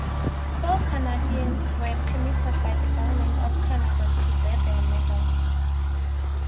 Four Canadians were permitted by the Government of Canada to wear their medals.